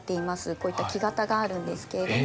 こういった木型があるんですけれども